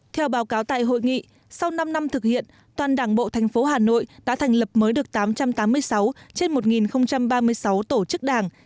theo báo cáo tại hội nghị sau năm năm thực hiện toàn đảng bộ thành phố hà nội đã thành lập mới được tám trăm tám mươi sáu trên một ba mươi sáu tổ chức đảng